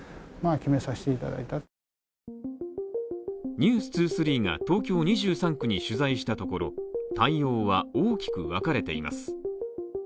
「ｎｅｗｓ２３」が東京２３区に取材したところ、対応は大きくわかれています。